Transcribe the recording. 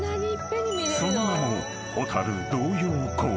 ［その名も］